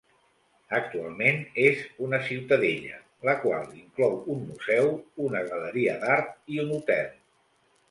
Actualment és una ciutadella, la qual inclou un museu, una galeria d'art i un hotel.